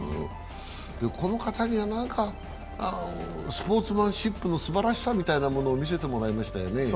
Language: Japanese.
この方には何か、スポーツマンシップのすばらしさみたいなものを見せてもらいましたよね。